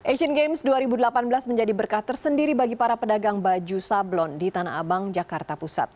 asian games dua ribu delapan belas menjadi berkah tersendiri bagi para pedagang baju sablon di tanah abang jakarta pusat